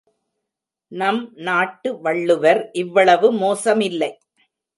நம் நாட்டு வள்ளுவர் இவ்வளவு மோசமில்லை.